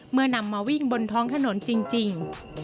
นำมาวิ่งบนท้องถนนจริง